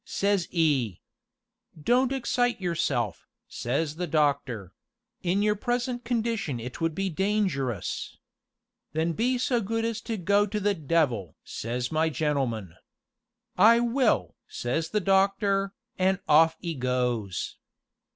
says 'e. 'Don't excite yourself,' says the doctor; 'in your present condition it would be dangerous.' 'Then be so good as to go to the devil!' says my gentleman. 'I will!' says the doctor, an' off 'e goes.